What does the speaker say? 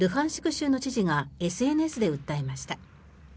州の知事がＳＮＳで訴えました。